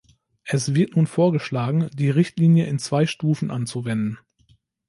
Es wird nun vorgeschlagen, die Richtlinie in zwei Stufen anzuwenden.